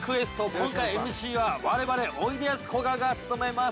今回ＭＣは、我々おいでやすこがが務めます。